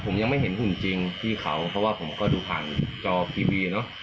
ผมยังไม่เห็นหุ่นจริงพี่เขาเพราะว่าผมก็ดูผ่านจอทีวีเนอะ